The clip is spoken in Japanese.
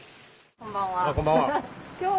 こんばんは。